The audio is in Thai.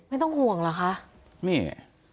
ไม่ต้องห่วงเหรอคะนี่